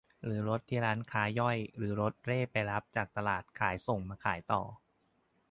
แต่รถที่ร้านค้ารายย่อยหรือรถเร่ไปรับจากตลาดขายส่งมาขายต่อ